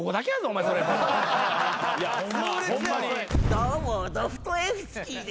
どうもドストエフスキーです。